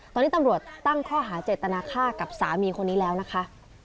ตอนนี้ตำรวจตั้งข้อหาเจตนาค่ากับสามีคนนี้แล้วนะคะ